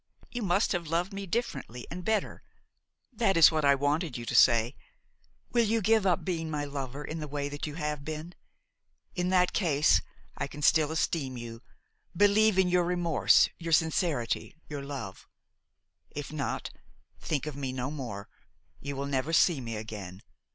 You must have loved me differently and better,–That is what I wanted you to say. Will you give up being my lover in the way that you have been? In that case I can still esteem you, believe in your remorse, your sincerity, your love; if not, think of me no more, you will never see me again.